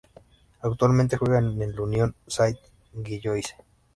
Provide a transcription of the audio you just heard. Actualmente juega en el Union Saint-Gilloise.